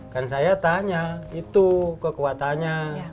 kan saya tanya itu kekuatannya